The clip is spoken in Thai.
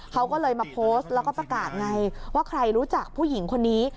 เขาก็เลยมาโพสต์แล้วก็ประกาศไงว่าใครรู้จักผู้หญิงคนนี้